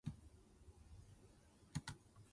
頭仔興興，尾仔杜定